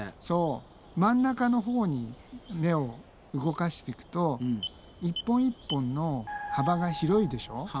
真ん中のほうに目を動かしていくと一本一本の幅が広いでしょ。